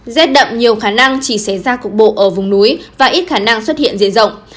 rét đậm nhiều khả năng chỉ xảy ra cục bộ ở vùng núi và ít khả năng xuất hiện dây rộng